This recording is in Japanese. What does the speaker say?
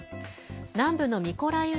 南部のミコライウ